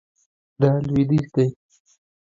دا لویدیځ دی